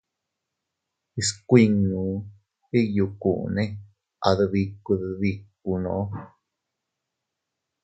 Skuinnu iyukune adbiku dbikunoo.